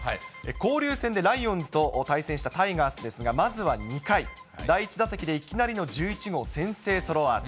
交流戦で、ライオンズと対戦したタイガースですが、まずは２回、第１打席でいきなりの１１号先制ソロアーチ。